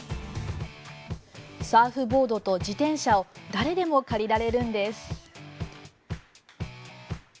サーフボードと自転車を誰でも借りられるんです。